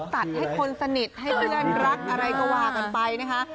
ตัดให้คนสนิทให้เพื่อนรักอะไรก็ว่ากันไปนะคะ